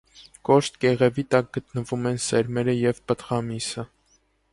Կոշտ կեղևի տակ գտնվում են սերմերը և պտղամիսը։